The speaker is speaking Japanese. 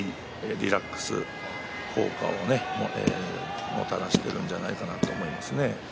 リラックス効果をもたらしているんじゃないかなと思いますね。